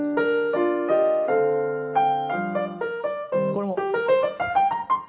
これも。